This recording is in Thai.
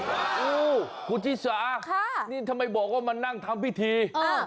โอ้คุณจิสาค่ะนี่ทำไมบอกว่ามานั่งทำพิธีอ่า